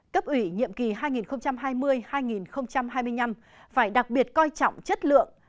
cấp ủy nhiệm kỳ hai nghìn hai mươi hai nghìn hai mươi năm phải đặc biệt coi trọng chất lượng